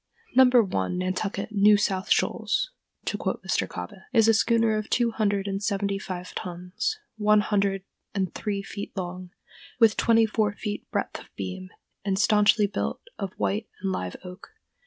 "No. 1, Nantucket New South Shoals," to quote Mr. Kobbé, is a schooner of two hundred and seventy five tons, one hundred and three feet long, with twenty four feet breadth of beam, and stanchly built of white and live oak.